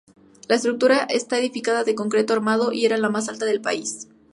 La estructura está edificada de concreto armado y era la más alta del país.